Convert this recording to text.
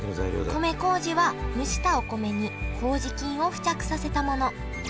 米こうじは蒸したお米にこうじ菌を付着させたもの。